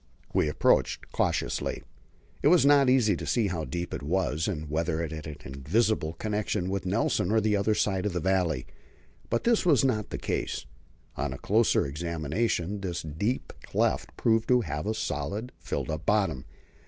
We approached it cautiously. It was not easy to see how deep it was, and whether it had an invisible connection with Nelson on the other side of the valley. But this was not the case. On a closer examination this deep cleft proved to have a solid, filled up bottom.